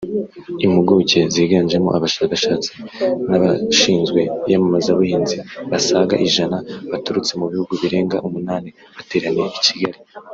Impuguke ziganjemo abashakashatsi n’abashinzwe iyamamazabuhinzi basaga ijana baturutse mu bihugu birenga umunani bateraniye i Kigali